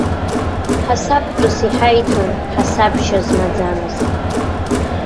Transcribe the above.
Ҳасабтәыс иҳаиҭон ҳасабшьа змаӡамыз.